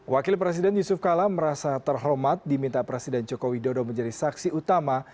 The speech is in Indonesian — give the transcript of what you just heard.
wakil presiden yusuf kalam merasa terhormat diminta presiden jokowi dodo menjadi saksi utama